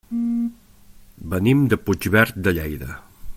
Venim de Puigverd de Lleida.